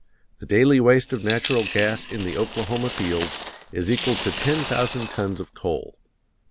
The daily waste of natural gas in the Oklahoma fields is equal to ten thousand tons of coal.